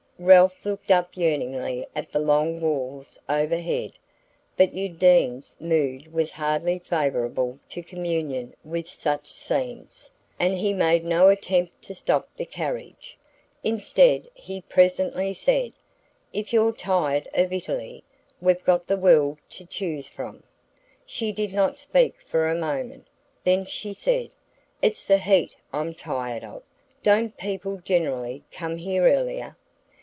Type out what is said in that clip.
Ralph looked up yearningly at the long walls overhead; but Undine's mood was hardly favourable to communion with such scenes, and he made no attempt to stop the carriage. Instead he presently said: "If you're tired of Italy, we've got the world to choose from." She did not speak for a moment; then she said: "It's the heat I'm tired of. Don't people generally come here earlier?"